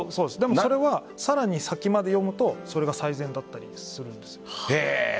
それはさらに先まで読むとそれが最善だったりするんです。